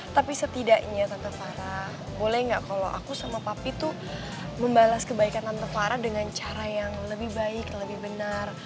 tapi setidaknya tante farah boleh nggak kalau aku sama papa itu membalas kebaikan tante farah dengan cara yang lebih baik lebih benar